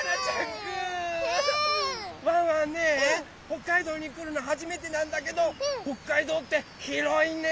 北海道にくるのはじめてなんだけど北海道ってひろいね！